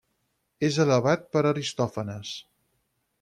És alabat per Aristòfanes.